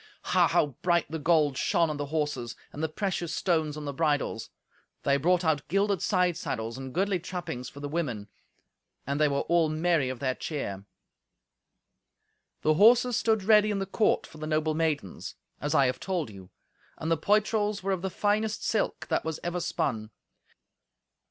Ha! how bright the gold shone on the horses, and the precious stones on the bridles! They brought out gilded side saddles and goodly trappings for the women. And they were all merry of their cheer. The horses stood ready in the court for the noble maidens, as I have told you, and the poitrals were of the finest silk that was ever spun.